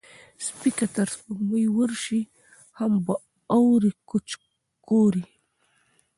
سپى که تر سپوږمۍ ورشي، هم به اوري کوچ کورې